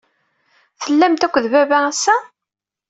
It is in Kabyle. Tellamt akked baba ass-a?